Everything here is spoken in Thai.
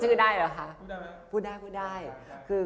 พี่ก็นั่งกินกาแฟอร้อยเราไม่ชอบกาแฟ